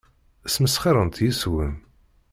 Ssmesxirent yes-wen.